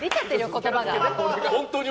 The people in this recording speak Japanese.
言葉が。